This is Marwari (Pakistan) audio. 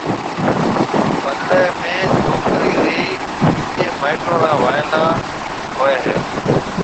پڏݪيَ ۾ ڇوڪرِي رَي ٻيجيَ مائيٽون را وائلا ھوئيَ ھيََََ